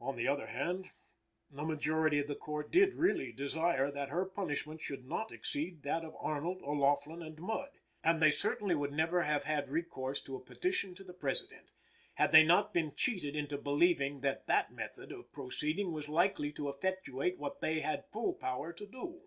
On the other hand, the majority of the Court did really desire that her punishment should not exceed that of Arnold, O'Laughlin and Mudd, and they certainly would never have had recourse to a petition to the President, had they not been cheated into believing that that method of proceeding was likely to effectuate what they had full power to do.